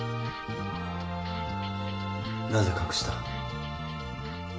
なぜ隠した？